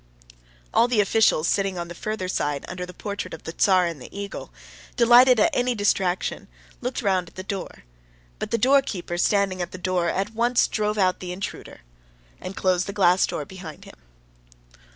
All the officials sitting on the further side under the portrait of the Tsar and the eagle, delighted at any distraction, looked round at the door; but the doorkeeper standing at the door at once drove out the intruder, and closed the glass door after him.